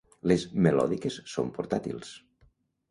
Les melòdiques són portàtils.